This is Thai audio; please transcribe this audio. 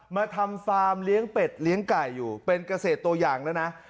มาทำฟาร์มเลี้ยงเป็ดเลี้ยงไก่อยู่เป็นเกษตรตัวอย่างแล้วนะ